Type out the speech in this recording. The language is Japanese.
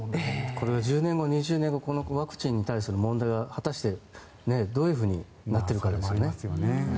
これは１０年後２０年後ワクチンに対する問題は果たして、どういうふうになっているかですよね。